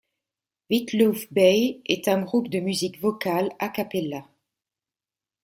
Witloof Bay est un groupe de musique vocale a cappella.